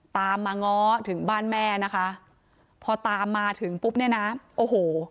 ตามมาง้อถึงบ้านแม่นะคะพอตามมาถึงปุ๊บเนี่ยนะโอ้โห